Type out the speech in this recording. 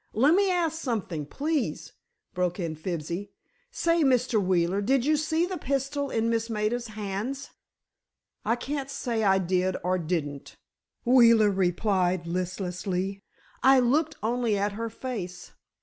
"Lemme ask something, please," broke in Fibsy. "Say, Mr. Wheeler, did you see the pistol in Miss Maida's hands?" "I can't say I did or didn't," Wheeler replied, listlessly. "I looked only at her face.